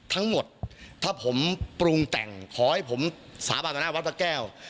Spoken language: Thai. ทั้งหมดถ้าผมปรุงแต่งขอให้ผมสาบารณวัดพระแก้ว